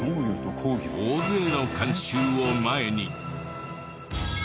大勢の観衆を前に。